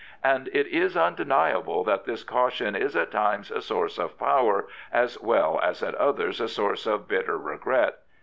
And it is undeniable that this caution is at times a source of power, as well as at others a source of bitter regret.